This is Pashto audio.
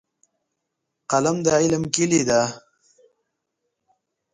قلم د علم کیلي ده.